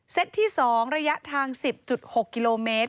ที่๒ระยะทาง๑๐๖กิโลเมตร